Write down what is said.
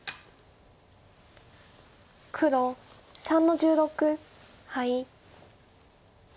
黒３の十六ハイ。